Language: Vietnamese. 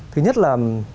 thứ nhất là